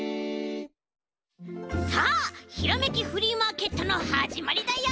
さあひらめきフリーマーケットのはじまりだよ！